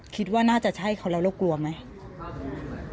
คิดว่าน่าจะใช่เขาแล้วเรากลัวไหม